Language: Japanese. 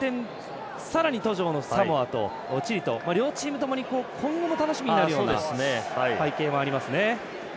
さらに、発展途上中のサモア、チリと両チームともに今後も楽しみになるような背景がありますね。